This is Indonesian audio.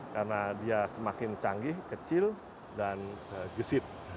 karena dia semakin canggih kecil dan gesit